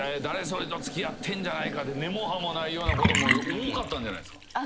誰それと付き合ってんじゃないかって根も葉もないようなことも多かったんじゃないすか？